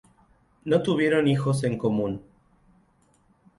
No tuvieron hijos en común.